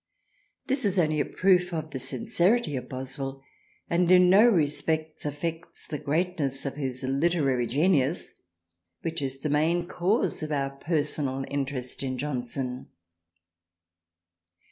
This is only a proof of the sincerity of Boswell and in no respects affects the greatness of his literary genius, which is the main cause of our per sonal interest in Johnson.